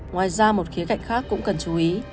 ngoài ra một khía cạnh khác cũng cần chú ý